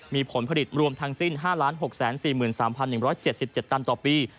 มีผลผลิตรวมทั้งสิ้น๕๖๔๓๑๗๗ตันต่อปี